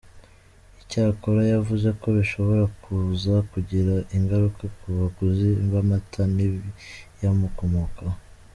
Icyakora, yavuze ko bishobora kuza kugira ingaruka ku baguzi b’amata n’ibiyakomokaho.